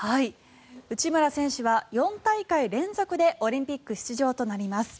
内村選手は４大会連続でオリンピック出場となります。